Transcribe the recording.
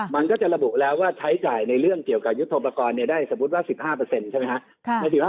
มันก็จะระบุแล้วว่าใช้จ่ายในเรื่องเกี่ยวกับยุทธโปรกรณ์ได้สมมุติว่า๑๕ใช่ไหมครับ